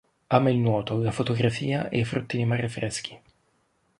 Ama il nuoto, la fotografia e i frutti di mare freschi.